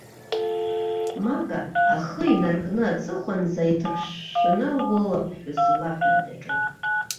Мака ахы инаркны аҵыхәанӡа иҭыршәшәаны лгәылаԥҳәыс лаҳәара даҿын.